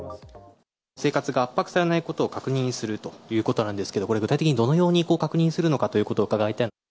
生活が圧迫されないことを確認するということなんですけれども、これ、具体的にどのように確認するのかということを伺いたい。